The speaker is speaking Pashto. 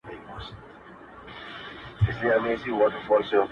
o بد په سلام نه ورکېږي.